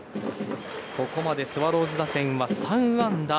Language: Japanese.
ここまでスワローズ打線は３安打。